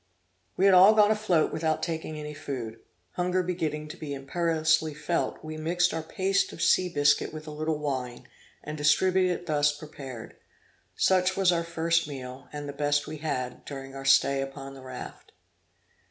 We had all gone afloat without taking any food. Hunger beginning to be imperiously felt, we mixed our paste of sea biscuit with a little wine, and distributed it thus prepared. Such was our first meal, and the best we had, during our stay upon the raft.